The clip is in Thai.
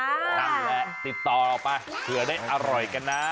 นั่นแหละติดต่อไปเผื่อได้อร่อยกันนะ